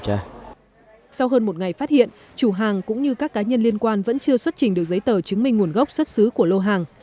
từ ngày phát hiện chủ hàng cũng như các cá nhân liên quan vẫn chưa xuất trình được giấy tờ chứng minh nguồn gốc xuất xứ của lô hàng